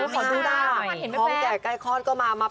ขอดูได้เลยพร้อมแก่กายคลอนก็มา